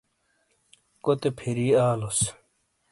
کوتے پھِیری آلوس۔